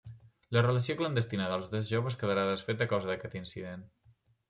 La relació clandestina dels dos joves quedarà desfeta a causa d'aquest incident.